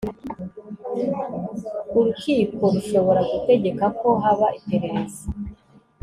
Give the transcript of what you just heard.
urkiko rushobora gutegeka ko haba iperereza